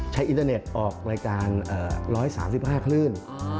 อินเทอร์เน็ตออกรายการ๑๓๕คลื่น